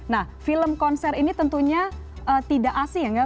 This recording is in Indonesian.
nah film konser ini tentunya tidak asing ya